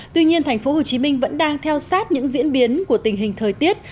tuy nhiên thành phố hồ chí minh vẫn đang theo sát những diễn biến của tình hình thời tiết